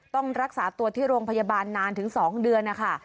ต้องรักษาตัวที่โรงพยาบาลนานถึง๒เดือนนะคะ